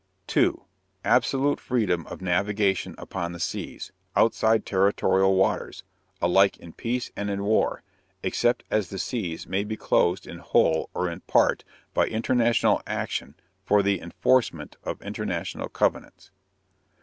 2. _Absolute freedom of navigation upon the seas, outside territorial waters, alike in peace and in war, except as the seas may be closed in whole or in part by international action for the enforcement of international covenants.